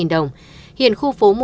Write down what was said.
tám trăm linh đồng hiện khu phố